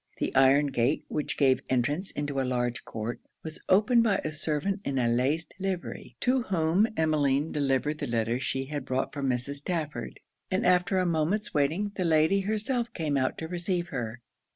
The iron gate, which gave entrance into a large court, was opened by a servant in a laced livery, to whom Emmeline delivered the letter she had brought from Mrs. Stafford, and after a moment's waiting the lady herself came out to receive her.